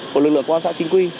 của lực lượng công an xã trinh quy